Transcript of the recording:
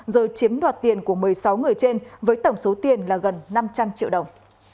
rồi chiếm đoạt tiền của một mươi sáu người trên với tổng số tiền là gần năm trăm linh triệu đồng